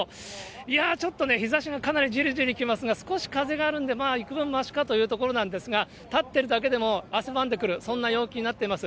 いやー、ちょっとね、日ざしがかなりじりじりきますが、少し風があるんで、幾分ましかというところなんですが、立っているだけでも汗ばんでくる、そんな陽気になってます。